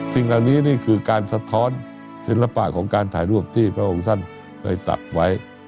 สิ่งเหล่านี้นี่คือการสะท้อนศิลปะของการถ่ายรูปที่พระองค์ท่านเคยตัดไว้